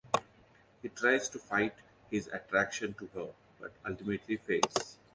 He tries to fight his attraction to her, but ultimately fails.